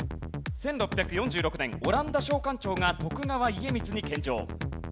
１６４６年オランダ商館長が徳川家光に献上。